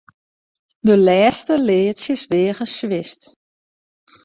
De lêste leadsjes weage swierst.